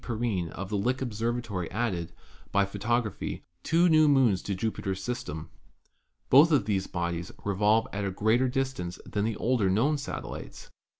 Perrine of Lick Observatory added, by photography, two new moons to Jupiter's system. Both of these bodies revolve at a greater distance than the older known satellites.